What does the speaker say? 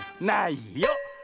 ないよ。